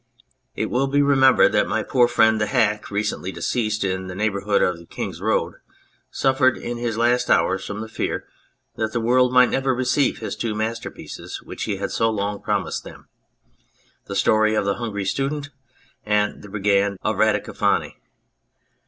It will be remembered that my poor friend the Hack, recently deceased in the neighbourhood of the King's road, suffered in his last hours from the fear that the world might never receive his two master pieces which he had so long promised them, "The Story of the Hungry Student" and "The Brigand of Radicofani."